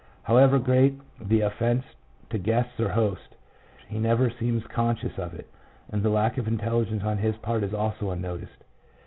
However great the offence to guests or host, he never seems conscious of it, and the lack of intelligence on his part is also unnoticed.